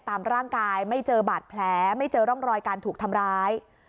ตามร่างกายไม่เจอบาดแผลไม่เจอร่องรอยการถูกทำร้าย